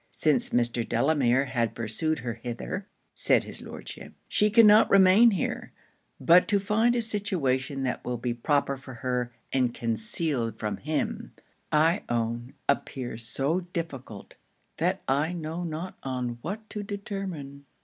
Since Mr. Delamere has pursued her hither,' said his Lordship, 'she cannot remain here; but to find a situation that will be proper for her, and concealed from him, I own appears so difficult, that I know not on what to determine.'